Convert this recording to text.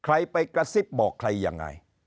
ใครไปกระซิบบอกใครยังไง